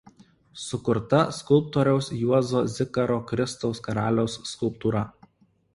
Sukurta skulptoriaus Juozo Zikaro Kristaus Karaliaus skulptūra.